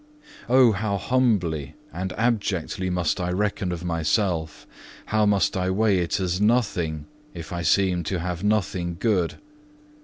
3. Oh, how humbly and abjectly must I reckon of myself, how must I weigh it as nothing, if I seem to have nothing good!